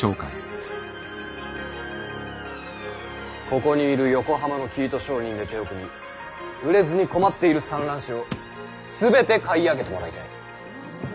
ここにいる横浜の生糸商人で手を組み売れずに困っている蚕卵紙を全て買い上げてもらいたい。